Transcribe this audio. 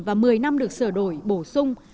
và một mươi năm được sửa đổi bổ sung